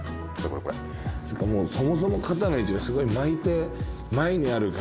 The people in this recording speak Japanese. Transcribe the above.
もうそもそも肩の位置がすごい巻いて前にある感じが。